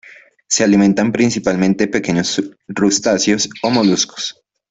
Se alimentan principalmente de pequeños crustáceos y moluscos.